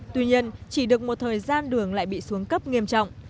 tuy nhiên chỉ được một thời gian đường lại bị xuống cấp nghiêm trọng